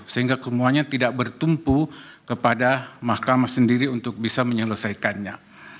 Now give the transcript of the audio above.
sehingga semuanya tidak bertumpu kepada mahkamah sendiri untuk bisa menyelesaikannya